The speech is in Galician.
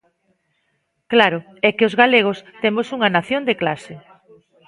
Claro, é que os galegos temos unha nación de clase.